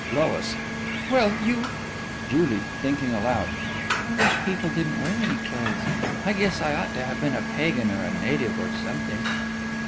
LOIS: Well, you JULIE: (Thinking aloud) I wish people didn't wear any clothes. I guess I ought to have been a pagan or a native or something.